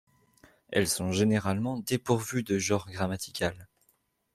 Elles sont généralement dépourvues de genre grammatical.